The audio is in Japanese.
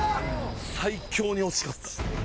最強に惜しかった。